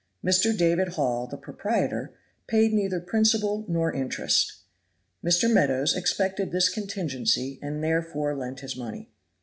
Mr. David Hall, the proprietor, paid neither principal nor interest. Mr. Meadows expected this contingency, and therefore lent his money.